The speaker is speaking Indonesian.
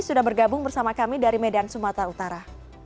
sudah bergabung bersama kami dari medan sumatera utara